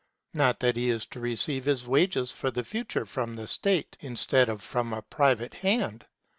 Not that he is to receive his wages for the future from the State instead of from a private hand.